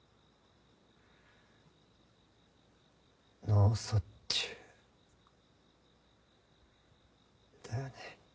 脳卒中だよね。